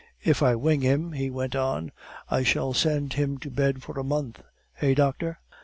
"If I wing him," he went on, "I shall send him to bed for a month; eh, doctor?"